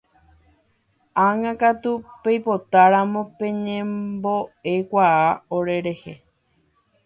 Ág̃akatu peipotáramo peñembo'ekuaa orerehe.